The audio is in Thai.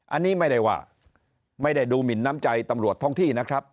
อันนี้ไม่ได้ว่าไม่ได้ดูหมินน้ำใจตำรวจท้องที่นะครับ